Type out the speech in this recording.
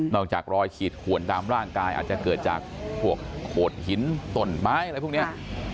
อกจากรอยขีดขวนตามร่างกายอาจจะเกิดจากพวกโขดหินตนไม้อะไรพวกนี้